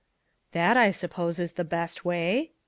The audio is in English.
"That, I suppose, is the best way?"